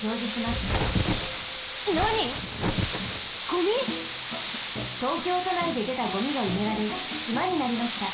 ゴミ？東京都内ででたゴミがうめられしまになりました。